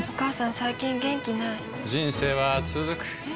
最近元気ない人生はつづくえ？